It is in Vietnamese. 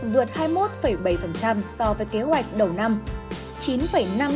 vượt hai mươi một bảy so với kế hoạch đầu năm